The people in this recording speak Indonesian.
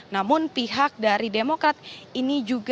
namun pihak dari demokrat ini juga